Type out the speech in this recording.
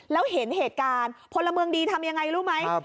แล้วเห็นเหตุการณ์พลเมืองดีทำยังไงรู้ไหม